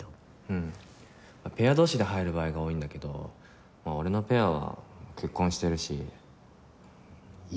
うんペア同士で入る場合が多いんだけど俺のペアは結婚してるし家がいいってタイプだから。